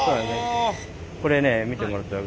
これね見てもらったら。